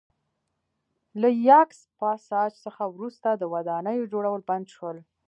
له یاکس پاساج څخه وروسته د ودانیو جوړول بند شول